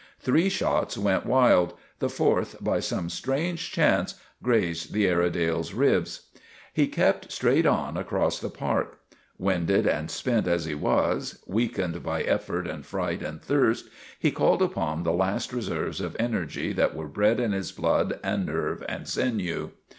Three shots went wild ; the fourth by some strange chance, grazed the Aire dale's ribs. He kept straight on across the park. Winded 306 THE RETURN OF THE CHAMPION and spent as he was, weakened by effort and fright and thirst, he called upon the last reserves of energy that were bred in his blood and nerve and sinew.